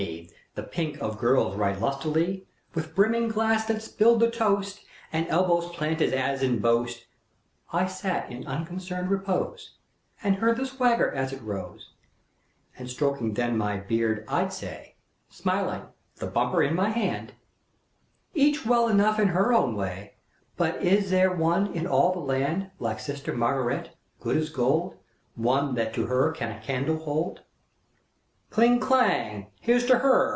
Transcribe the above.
Where each to each his brag allows, And many a comrade praised to me His pink of girls right lustily, With brimming glass that spilled the toast, And elbows planted as in boast: I sat in unconcerned repose, And heard the swagger as it rose. And stroking then my beard, I'd say, Smiling, the bumper in my hand: "Each well enough in her own way. But is there one in all the land Like sister Margaret, good as gold, One that to her can a candle hold?" Cling! clang! "Here's to her!"